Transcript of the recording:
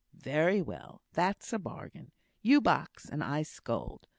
"Very well! that's a bargain. You box, and I scold.